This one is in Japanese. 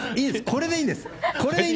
これでいいんです！